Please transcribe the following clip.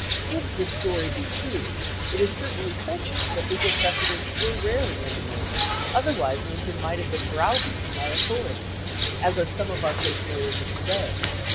1 If this story be true, it is certainly fortunate that legal precedents were rare in Illinois, other wise Lincoln might have been browbeaten by authority, as are some of our case lawyers of to day.